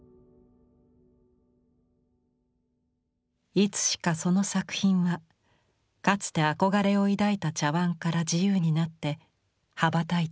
いつしかその作品はかつて憧れを抱いた茶碗から自由になって羽ばたいていた。